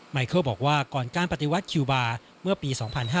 ไยเคิลบอกว่าก่อนการปฏิวัติคิวบาร์เมื่อปี๒๕๕๙